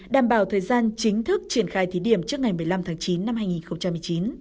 đảm bảo thời gian chính thức triển khai thí điểm trước ngày một mươi năm tháng chín năm hai nghìn một mươi chín